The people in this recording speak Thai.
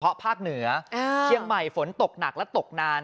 เพราะภาคเหนือเชียงใหม่ฝนตกหนักและตกนาน